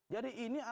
jadi ini ada